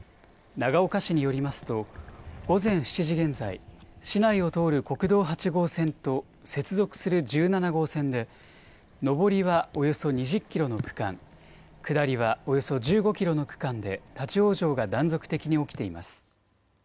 長岡市によりますと午前７時現在、市内を通る国道８号線と接続する１７号線で上りはおよそ２０キロの区間、下りはおよそ１５キロの区間で立往生が断続的に起きています。